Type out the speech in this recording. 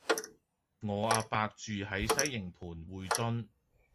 我阿伯住喺西營盤薈臻